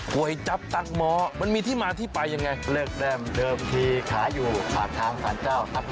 กวยจับตั๊กหมอมันมีที่มาที่ไปยังไง